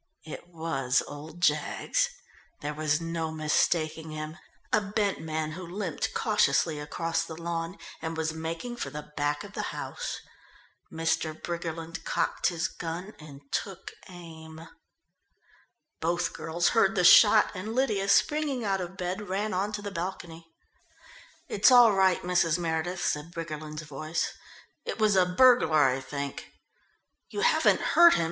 It was old Jaggs. There was no mistaking him. A bent man who limped cautiously across the lawn and was making for the back of the house. Mr. Briggerland cocked his gun and took aim.... Both girls heard the shot, and Lydia, springing out of bed, ran on to the balcony. "It's all right, Mrs. Meredith," said Briggerland's voice. "It was a burglar, I think." "You haven't hurt him?"